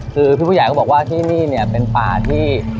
คือพี่ผู้ใหญ่ก็บอกว่าที่นี่เนี่ยเป็นป่าที่